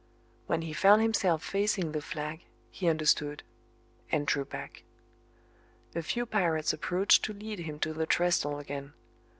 When he found himself facing the flag he understood and drew back. A few pirates approach to lead him to the trestle again.